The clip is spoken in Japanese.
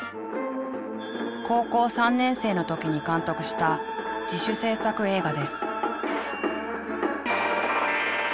高校３年生の時に監督した自主制作映画です。